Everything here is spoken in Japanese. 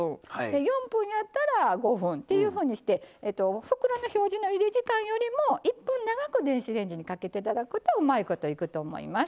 ４分やったら５分っていうふうにして袋の表示のゆで時間よりも１分長く電子レンジにかけていただくとうまいこといくと思います。